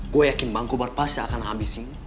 gue yakin bang kobar pasti akan habisin